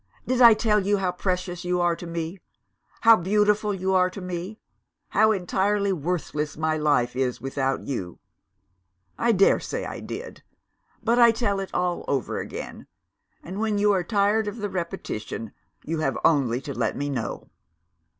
Did I tell you how precious you are to me? how beautiful you are to me? how entirely worthless my life is without you? I dare say I did; but I tell it all over again and, when you are tired of the repetition, you have only to let me know.